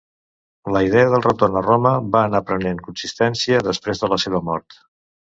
La idea del retorn a Roma va anar prenent consistència després de la seva mort.